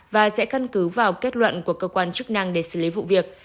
và sẽ căn cứ vào kết luận của cơ quan chức năng để xử lý vụ việc